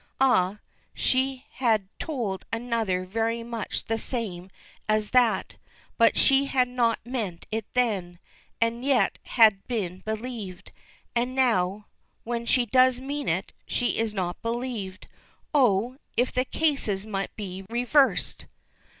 Ah! she had told another very much the same as that. But she had not meant it then and yet had been believed and now, when she does mean it, she is not believed. Oh! if the cases might be reversed!